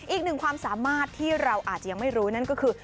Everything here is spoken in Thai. อีกหนึ่งความสามารถที่เราอาจจะยังไม่รู้นั่นก็คือ